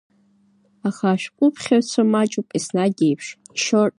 Аха ашәҟәыԥхьаҩцәа маҷуп еснагь еиԥш.